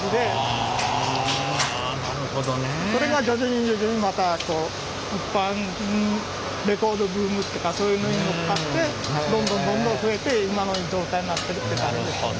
あなるほどね。それが徐々に徐々にまたレコードブームっていうかそういうのに乗っかってどんどんどんどん増えて今の状態になってるって感じですね。